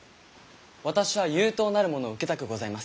私は熊痘なるものを受けたくございます。